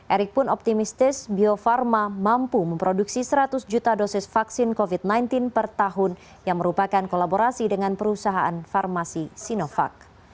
erick pun optimistis bio farma mampu memproduksi seratus juta dosis vaksin covid sembilan belas per tahun yang merupakan kolaborasi dengan perusahaan farmasi sinovac